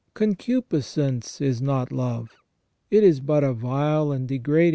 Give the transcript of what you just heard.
Concupiscence is not love, it is but a vile and degrading * S.